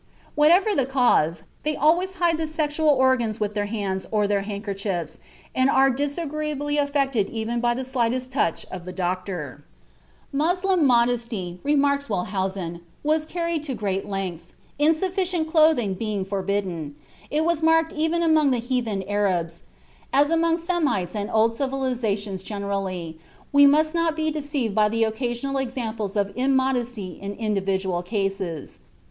Whatever the cause, they always hide the sexual organs with their hands or their handkerchiefs, and are disagreeably affected even by the slightest touch of the doctor." (Batut, Archives d'Anthropologie Criminelle, January 15, 1893.) "Moslem modesty," remarks Wellhausen, "was carried to great lengths, insufficient clothing being forbidden. It was marked even among the heathen Arabs, as among Semites and old civilizations generally; we must not be deceived by the occasional examples of immodesty in individual cases.